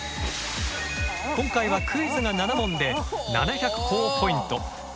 今回はクイズが７問で７００ほぉポイント。